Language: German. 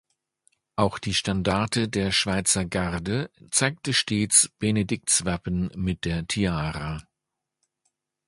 Auch die Standarte der Schweizergarde zeigte stets Benedikts Wappen mit der Tiara.